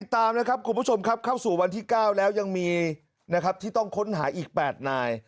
ตามนะครับคุณผู้ชมครับเข้าสู่วันที่๙แล้วยังมีนะครับที่ต้องค้นหาอีก๘นาย